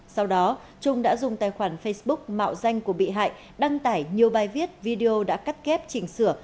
sau đó trung đã dùng tài khoản facebook mạo danh của bị hại đăng tải nhiều bài viết video đã cắt kép chỉnh sửa